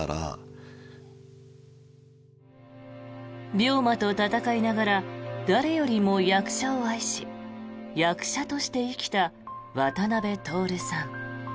病魔と闘いながら誰よりも役者を愛し役者として生きた渡辺徹さん。